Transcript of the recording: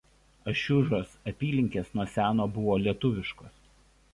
Ašiužos apylinkės nuo seno buvo lietuviškos.